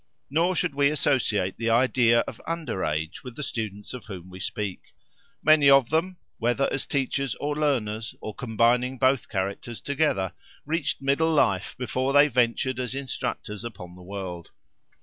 Nor should we associate the idea of under age with the students of whom we speak. Many of them, whether as teachers or learners, or combining both characters together, reached middle life before they ventured as instructors upon the world.